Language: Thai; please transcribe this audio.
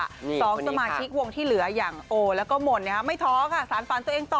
สองสมาชิกวงที่เหลืออย่างโอแล้วก็หม่นไม่ท้อค่ะสารฝันตัวเองต่อ